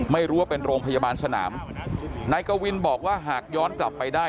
ไม่รู้ว่าเป็นโรงพยาบาลสนามนายกวินบอกว่าหากย้อนกลับไปได้